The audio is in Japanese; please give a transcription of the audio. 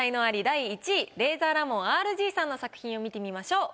第１位レイザーラモンＲＧさんの作品を見てみましょう。